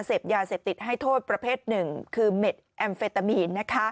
เสพยาเสพติดให้โทษประเภทหนึ่งคือเม็ดแอมเฟตามีน